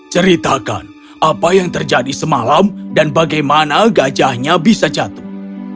ceritakan apa yang terjadi semalam dan bagaimana gajahnya bisa jatuh